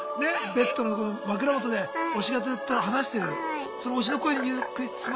ベッドの枕元で推しがずっと話してるその推しの声にゆっくり包まれながら。